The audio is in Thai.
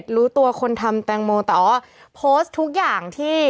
ลูกตัวคนทำแตงโมแต่ออว่าทุกอย่างที่